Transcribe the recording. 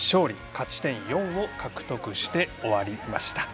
勝ち点４を獲得して終わりました。